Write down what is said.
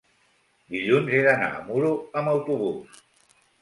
Dilluns he d'anar a Muro amb autobús.